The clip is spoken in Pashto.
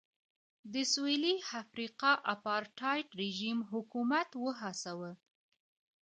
د سوېلي افریقا اپارټایډ رژیم حکومت وهڅاوه.